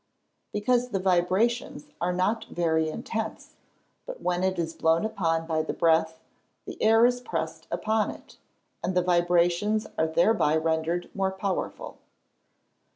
_ Because the vibrations are not very intense, but when it is blown upon by the breath, the air is pressed upon it, and the vibrations are thereby rendered more powerful.